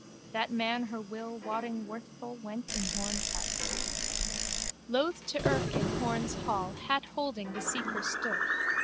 That man her will wotting worthful went in Horne's house. Loth to irk in Horne's hall hat holding the seeker stood.